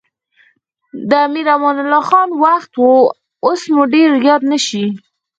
د امیر امان الله خان وخت و اوس مو ډېر یاد نه شي.